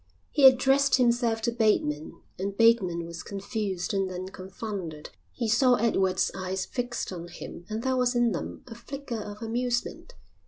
He addressed himself to Bateman and Bateman was confused and then confounded. He saw Edward's eyes fixed on him and there was in them a flicker of amusement.